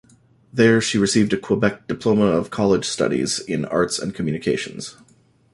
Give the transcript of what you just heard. There, she received a Quebec Diploma of College Studies in Arts and Communications.